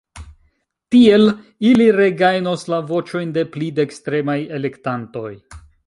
Tiel ili regajnos la voĉojn de pli dekstremaj elektantoj.